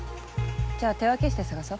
じゃあ手分けして捜そ。